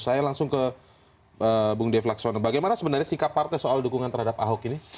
saya langsung ke bung dev laksono bagaimana sebenarnya sikap partai soal dukungan terhadap ahok ini